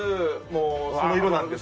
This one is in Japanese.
もうその色なんですね。